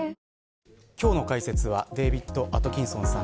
今日の解説はデービッド・アトキンソンさん。